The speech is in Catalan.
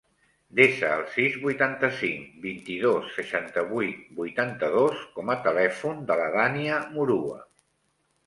Desa el sis, vuitanta-cinc, vint-i-dos, seixanta-vuit, vuitanta-dos com a telèfon de la Dània Murua.